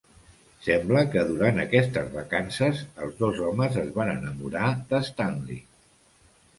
Sembla que durant aquestes vacances, els dos homes es van enamorar de Stanley.